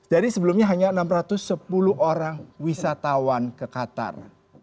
dari sebelumnya hanya enam ratus sepuluh orang wisatawan ke qatar